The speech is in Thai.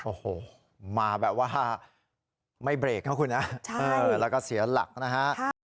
โอ้โหมาแบบว่าไม่เบรกนะคุณนะแล้วก็เสียหลักนะฮะ